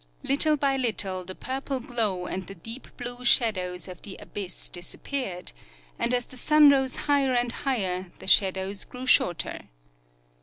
Little by little the purple glow and the deep blue shadoAVS of the abyss disappeared, and as the sun rose higher and higher, the shadows grcAV shorter.